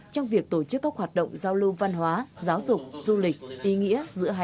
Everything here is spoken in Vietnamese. trong việc tổ chức các hoạt động giao lưu văn hóa